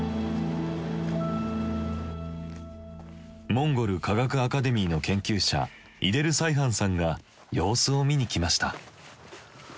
モンゴル科学アカデミーの研究者イデルサイハンさんが様子を見に来ました。